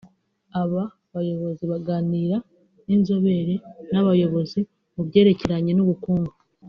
Aba bayobozi baraganira n’inzobere n’abayobozi mu byerekeranye n’ubukungu